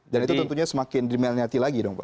dan itu tentunya semakin dimelniati lagi dong pak